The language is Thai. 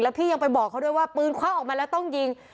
พี่ยังไปบอกเขาด้วยว่าปืนควักออกมาแล้วต้องยิง